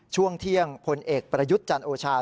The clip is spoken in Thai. ช่วงเที่ยงพลเอกประยุทธ์จันโอชา